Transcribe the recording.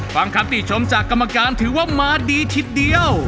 คำติชมจากกรรมการถือว่ามาดีทีเดียว